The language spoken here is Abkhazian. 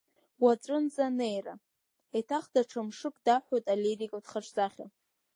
Уаҵәынӡа анеира, еиҭах даҽа мшык даҳәоит алирикатә хаҿсахьа.